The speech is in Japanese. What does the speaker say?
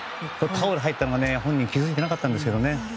タオル入ったの本人気づいてなかったんですけど